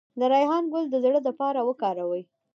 د ریحان ګل د زړه لپاره وکاروئ